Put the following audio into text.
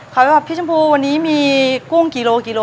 แบบพี่ชมพูวันนี้มีกุ้งกิโลกิโล